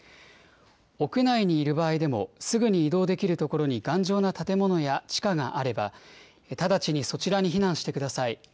屋内にいる場合でも、すぐに移動できる所に頑丈な建物や地下があれば、直ちにそちらに避難してください。